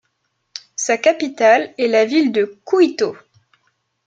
Sa capitale est la ville de Kuito.